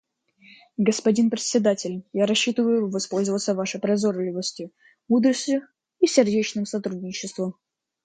Господин Председатель, я рассчитываю воспользоваться Вашей прозорливостью, мудростью и сердечным сотрудничеством.